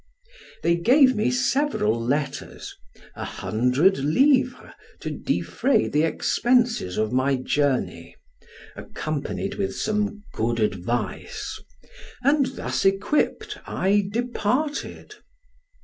They gave me several letters, a hundred livres to defray the expenses of my journey, accompanied with some good advice, and thus equipped I departed.